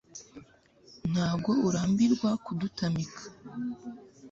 ntabwo urambirwa kudutamika